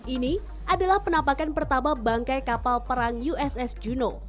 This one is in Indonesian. ini adalah penampakan pertama bangkai kapal perang uss geno